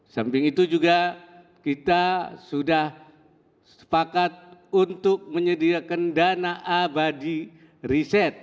samping itu juga kita sudah sepakat untuk menyediakan dana abadi riset